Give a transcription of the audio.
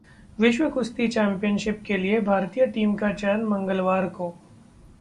विश्व कुश्ती चैंपियनशिप के लिए भारतीय टीम का चयन मंगलवार को